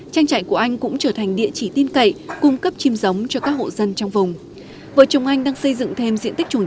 trang trại của anh cũng trở thành một trại truyền thống